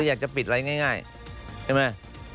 อยากจะปิดอะไรง่ายใช่ไหม